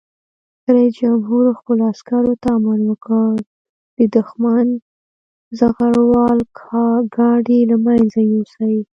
رئیس جمهور خپلو عسکرو ته امر وکړ؛ د دښمن زغروال ګاډي له منځه یوسئ!